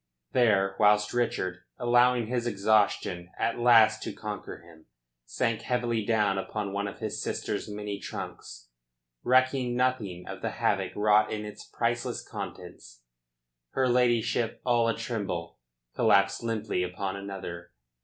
There, whilst Richard, allowing his exhaustion at last to conquer him, sank heavily down upon one of his sister's many trunks, recking nothing of the havoc wrought in its priceless contents, her ladyship all a tremble collapsed limply upon another.